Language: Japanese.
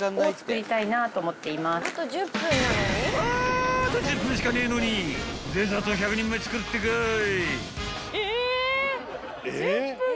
［あと１０分しかねえのにデザート１００人前作るってかい！］